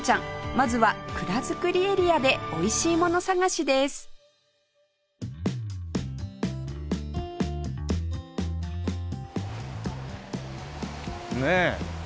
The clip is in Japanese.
まずは蔵造りエリアでおいしいもの探しですねえ。